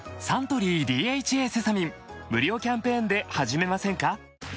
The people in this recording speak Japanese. サントリー「ＤＨＡセサミン」無料キャンペーンで始めませんか？